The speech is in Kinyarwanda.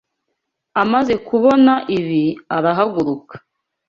Amaze kubona ibi, arahaguruka.